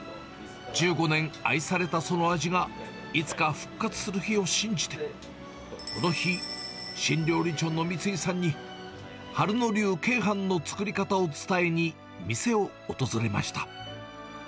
１５年、愛されたその味が、いつか復活する日を信じて、この日、新料理長の三井さんに、春野流鶏飯の作り方を伝えに店を訪れました。